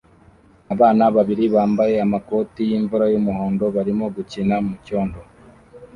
Abana babiri bambaye amakoti y'imvura y'umuhondo barimo gukina mucyondo